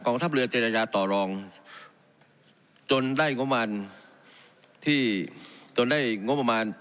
กองทัพเรือเจรญญาต่อรองจนได้งบมารที่จนได้งบมาร